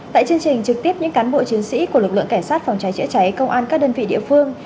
tại chương trình trực tiếp những cán bộ chiến sĩ của lực lượng cảnh sát phòng cháy chữa cháy công an các đơn vị địa phương